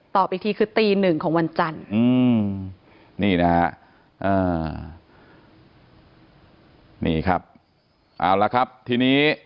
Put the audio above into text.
ตอบอีกทีคือ๑นของวันจันทย์